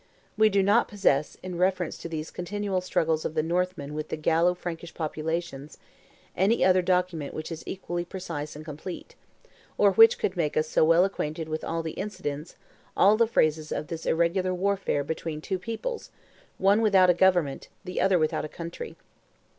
We do not possess, in reference to these continual struggles of the Northmen with the Gallo Frankish populations, any other document which is equally precise and complete, or which could make us so well acquainted with all the incidents, all the phases of this irregular warfare between two peoples, one without a government, the other without a country.